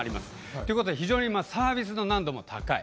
ということはサービスの難度も高い。